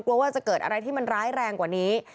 กลัวว่าจะเกิดอะไรที่มันร้ายแรงกว่านี้